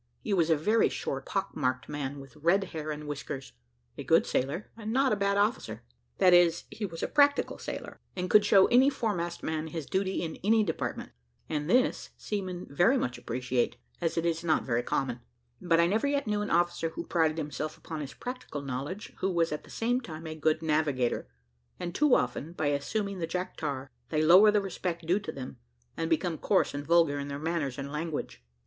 He was a very short, pock marked man, with red hair and whiskers, a good sailor, and not a bad officer; that is, he was a practical sailor, and could show any foremast man his duty in any department, and this seamen very much appreciate, as it is not very common; but I never yet knew an officer who prided himself upon his practical knowledge, who was at the same time a good navigator; and too often, by assuming the Jack Tar, they lower the respect due to them, and become coarse and vulgar in their manners and language.